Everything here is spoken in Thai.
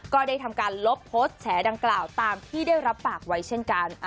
ก็ได้ทำการลบโพสต์แฉดังกล่าวตามที่ได้รับปากไว้เช่นกัน